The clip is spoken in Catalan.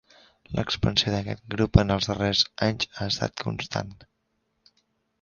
L'expansió d'aquest grup en els darrers anys ha estat constant.